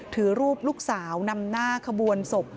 ถือรูปลูกสาวนำหน้าขบวนศพ